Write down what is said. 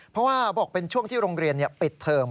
เพราะว่าบอกเป็นช่วงที่โรงเรียนปิดเทอม